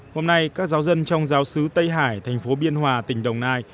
hôm nay các giáo dân trong giáo sứ tây hải thành phố biên hòa tỉnh đồng nai